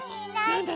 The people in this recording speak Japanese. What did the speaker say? なんだ？